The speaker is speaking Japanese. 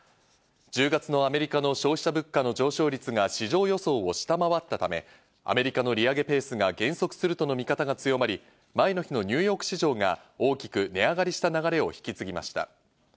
１０月のアメリカの消費者物価の上昇率が市場予想を下回ったため、アメリカの利上げペースが減速するとの見方が強まり、前の日のニューヨーク市場が大きく値上がりした流れを引き継ぎました。